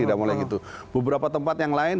tidak mulai gitu beberapa tempat yang lain